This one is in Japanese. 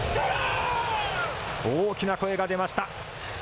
大きな声が出ました。